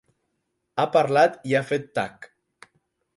Ha parlat i ha fet tac.